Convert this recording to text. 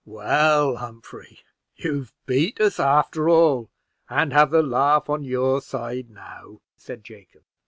"Well, Humphrey, you've beat us after all, and have the laugh on your side now," said Jacob.